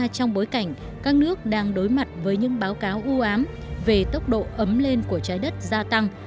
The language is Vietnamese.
trong bối cảnh các nước đang đối mặt với những báo cáo ưu ám về tốc độ ấm lên của trái đất gia tăng